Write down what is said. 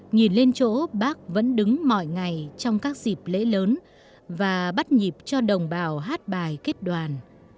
nhìn lên chỗ bác vẫn đứng mọi ngày trong các dịp lễ lớn và bắt nhịp cho đồng bào hát bài kết đoàn